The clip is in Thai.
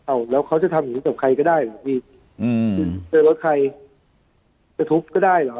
อ้าวแล้วเขาจะทำเหตุการณ์อย่างนี้กับใครก็ได้หรือพี่เจอรถใครจะทุบก็ได้หรอ